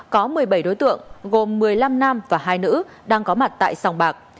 có một mươi bảy đối tượng gồm một mươi năm nam và hai nữ đang có mặt tại sòng bạc